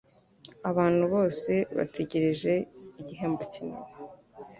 Abantu bose bategereje igihembo kinini.